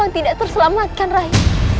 sungsam tidak terselamatkan rai